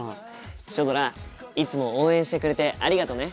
シュドラいつも応援してくれてありがとね。